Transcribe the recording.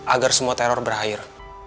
agar semua teror berakhir